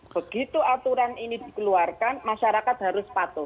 begitu aturan ini dikeluarkan masyarakat harus patuh